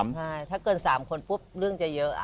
ถ้าเกิน๓คนปุ๊บเรื่องจะเยอะอ่ะ